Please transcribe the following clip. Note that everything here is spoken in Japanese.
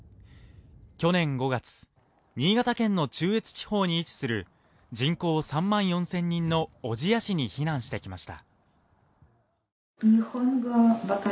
去年５月、新潟県の中越地方に位置する人口３万４０００人の小千谷市に避難してきました。